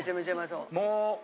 もう。